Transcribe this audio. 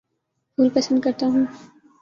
پھول پسند کرتا ہوں